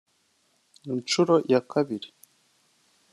inshuro ya kabiri